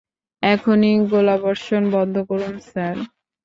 এখনই গোলাবর্ষণ বন্ধ করুন, স্যার।